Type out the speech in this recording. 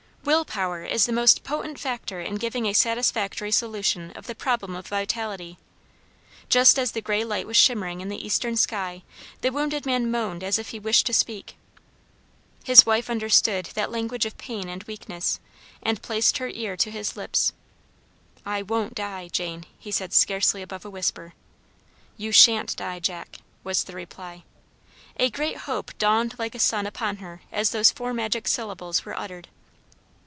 Will power is the most potent factor in giving a satisfactory solution of the problem of vitality. Just as the gray light was shimmering in the eastern sky the wounded man moaned as if he wished to speak. His wife understood that language of pain and weakness, and placed her ear to his lips. "I won't die, Jane," he said scarcely above a whisper. "You shan't die, Jack," was the reply. A great hope dawned like a sun upon her as those four magic syllables were uttered.